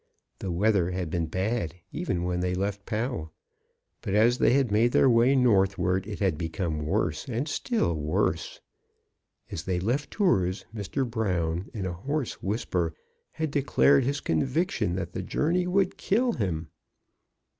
The weather had been bad even when they left Pau, but as they had made their way northward it had become worse and still, worse. As they left Tours, Mr. Brown, in a hoarse whisper, had declared his conviction that the journey would kill him.